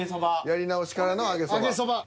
やり直しからの揚げそば。